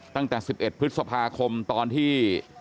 ตั้งแต่๑๑พฤษภาคมตอนที่